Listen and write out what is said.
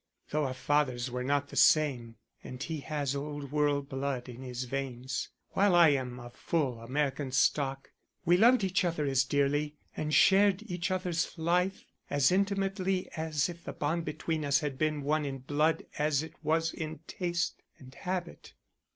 Though our fathers were not the same and he has old world blood in his veins, while I am of full American stock, we loved each other as dearly and shared each other's life as intimately as if the bond between us had been one in blood as it was in taste and habit.